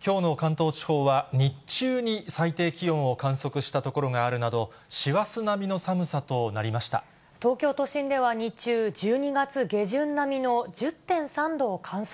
きょうの関東地方は、日中に最低気温を観測した所があるなど、師走並みの寒さとなりま東京都心では日中、１２月下旬並みの１０．３度を観測。